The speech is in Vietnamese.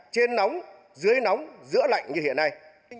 trên nóng dưới nóng giữa lạnh như hiện nay